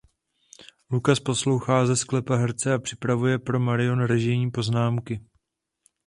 Lucas poslouchá ze sklepa herce a připravuje pro Marion režijní poznámky.